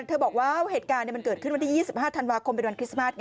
เธอบอกว่าเหตุการณ์เกิดขึ้น๒๕ธันวาคมเป็นวันคริสต์มาท